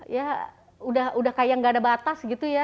ya udah kayak gak ada batas gitu ya